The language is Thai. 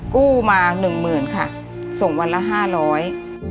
กู้มาหนึ่งหมื่นค่ะส่งวันละห้าร้อย